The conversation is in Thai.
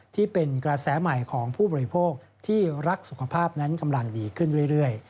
ที่เป็นกระแสใหม่ของผู้บริโภคที่รักสุขภาพนั้นกำลังดีขึ้นเรื่อย